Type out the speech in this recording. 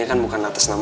ini kan bukan atas nama